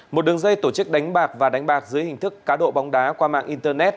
một đường dây tổ chức đánh bạc và đánh bạc dưới hình thức cá độ bóng đá qua mạng internet